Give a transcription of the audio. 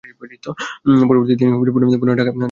পরবর্তীকালে, তিনি পুনরায় ঢাকা আবাহনীর হয়ে খেলেছিলেন।